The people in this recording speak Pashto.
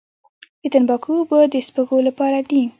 د تنباکو اوبه د سپږو لپاره دي؟